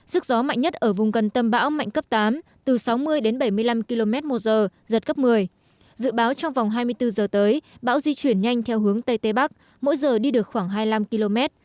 sức gió mạnh nhất ở vùng gần tâm bão mạnh cấp tám từ sáu mươi đến bảy mươi năm km một giờ giật cấp một mươi dự báo trong vòng hai mươi bốn giờ tới bão di chuyển nhanh theo hướng tây tây bắc mỗi giờ đi được khoảng hai mươi năm km